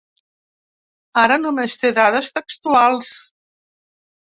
Ara només te dades textuals.